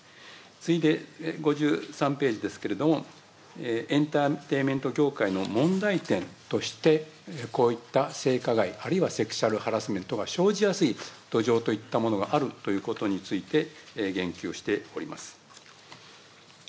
次いで５３ページですけども、エンターテインメント業界の問題点として、こういった性加害、あるいはセクシャルハラスメントが生じやすい土壌といったものがあるということについて言及しております。